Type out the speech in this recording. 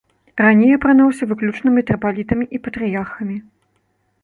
Раней апранаўся выключна мітрапалітамі і патрыярхамі.